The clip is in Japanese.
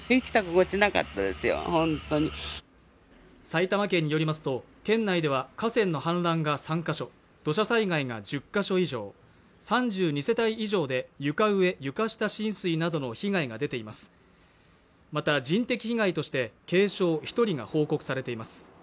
埼玉県によりますと県内では河川の氾濫が３カ所土砂災害が１０か所以上３２世帯以上で床上・床下浸水などの被害が出ていますまた人的被害として軽傷一人が報告されています